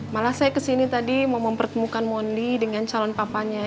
malah saya ke sini tadi mau mempertemukan mondi dengan calon papanya